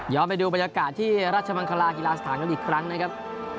ไปดูบรรยากาศที่ราชมังคลากีฬาสถานกันอีกครั้งนะครับ